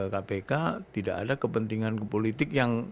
kpk tidak ada kepentingan politik yang